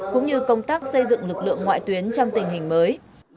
cũng như công tác xây dựng lực lượng ngoại tuyến trong tình hình mới